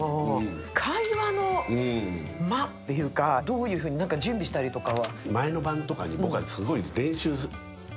会話の間っていうか、どういうふうに、準備したりとかは？